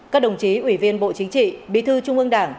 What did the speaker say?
các đồng chí ủy viên bộ chính trị bí thư trung ương đảng